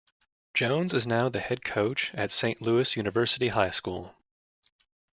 Jones is now the head coach at Saint Louis University High School.